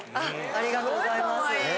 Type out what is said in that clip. ありがとうございます。